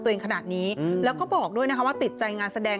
ตัวเองขนาดนี้แล้วก็บอกด้วยมันว่าติดใจงานแสดง